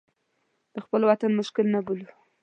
د خپل وطن مشکل نه بولو.